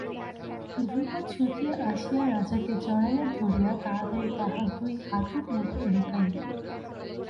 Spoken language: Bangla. ধ্রুব ছুটিয়া আসিয়া রাজাকে জড়াইয়া ধরিয়া তাড়াতাড়ি তাঁহার দুই হাঁটুর মধ্যে মুখ লুকাইয়া।